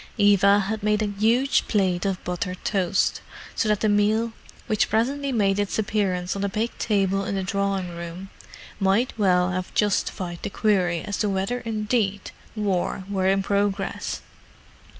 Eva had made a huge plate of buttered toast; so that the meal which presently made its appearance on the big table in the drawing room might well have justified the query as to whether indeed a war were in progress.